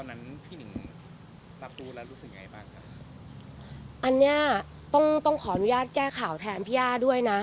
นั้นพี่หนิงรับรู้แล้วรู้สึกยังไงบ้างครับอันเนี้ยต้องต้องขออนุญาตแก้ข่าวแทนพี่ย่าด้วยนะ